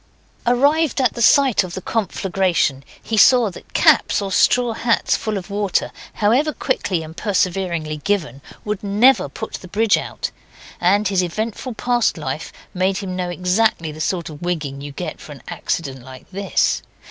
Arrived at the site of the conflagration, he saw that caps or straw hats full of water, however quickly and perseveringly given, would never put the bridge out, and his eventful past life made him know exactly the sort of wigging you get for an accident like this.